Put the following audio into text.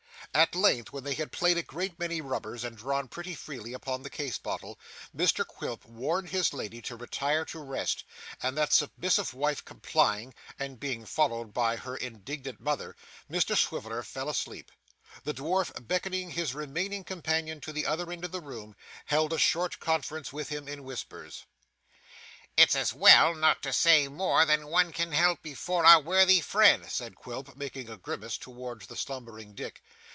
At length, when they had played a great many rubbers and drawn pretty freely upon the case bottle, Mr Quilp warned his lady to retire to rest, and that submissive wife complying, and being followed by her indignant mother, Mr Swiveller fell asleep. The dwarf beckoning his remaining companion to the other end of the room, held a short conference with him in whispers. 'It's as well not to say more than one can help before our worthy friend,' said Quilp, making a grimace towards the slumbering Dick.